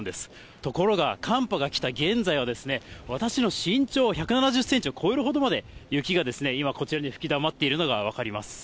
ところが寒波が来た現在は、私の身長１７０センチを超えるほどまで、雪が今、こちらに吹きだまっているのが分かります。